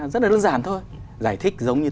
rất là đơn giản thôi giải thích giống như